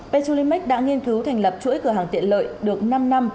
petrolimax đã nghiên cứu thành lập chuỗi cửa hàng tiện lợi được năm năm